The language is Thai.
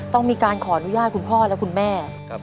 ต้องมีการขออนุญาตคุณพ่อและคุณแม่